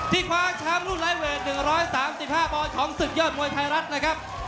ที่คว้างแชมป์รุ่นรายเวท๑๓๕บอลของสุดยอดมวยไทยรัฐนะครับ